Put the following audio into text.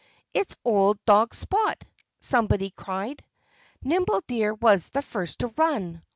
"It's old dog Spot!" somebody cried. Nimble Deer was the first to run.